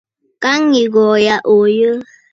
Ka ŋyi aghɔ̀ɔ̀ yâ, òo yə̂.